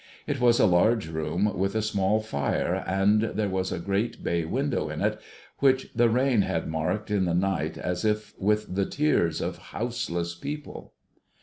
It was a large room with a small fire, and there was a great bay window in it which the rain had marked in the night as if with the tears of houseless people.